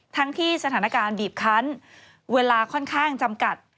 ทั้งที่สถานการณ์บีบคันเวลาค่อนข้างจำกัด